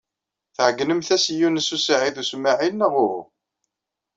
Tɛeyynemt-as i Yunes u Saɛid u Smaɛil, neɣ uhu?